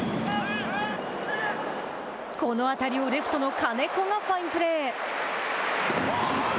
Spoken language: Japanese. この当たりをレフトの金子がファインプレー。